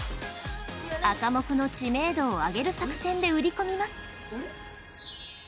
アカモクの知名度を上げる作戦で売り込みます